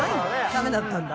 駄目だったんだ。